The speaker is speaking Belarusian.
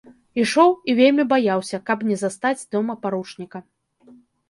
Ішоў і вельмі баяўся, каб не застаць дома паручніка.